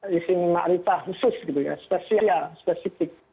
di sini ma'rifat khusus gitu ya spesial spesifik